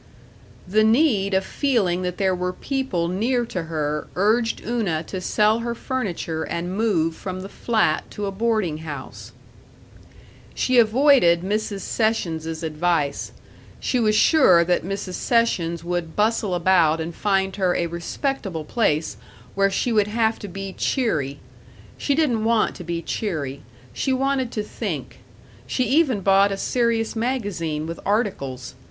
§ 2 The need of feeling that there were people near to her urged Una to sell her furniture and move from the flat to a boarding house. She avoided Mrs. Sessions's advice. She was sure that Mrs. Sessions would bustle about and find her a respectable place where she would have to be cheery. She didn't want to be cheery. She wanted to think. She even bought a serious magazine with articles.